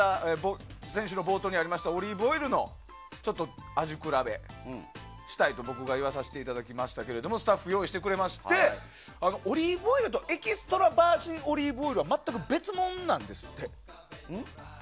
先週の冒頭にありましたオリーブオイルの味比べしたいと僕が言わせていただきましたけどスタッフ、用意してくれましてオリーブオイルとエキストラバージンオリーブオイルは全く別物なんですって。